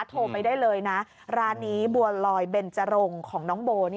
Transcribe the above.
โทรไปได้เลยนะร้านนี้บัวลอยเบนจรงของน้องโบ